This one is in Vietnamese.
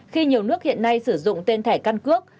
khi nhiều nước hiện nay sử dụng tên thẻ căn cước